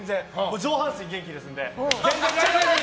上半身元気ですので。